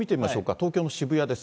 東京の渋谷です。